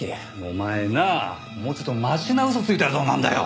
お前なもうちょっとマシな嘘ついたらどうなんだよ。